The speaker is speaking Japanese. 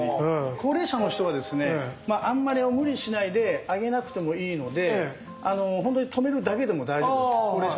高齢者の人はあんまり無理しないで上げなくてもいいので止めるだけでも大丈夫です。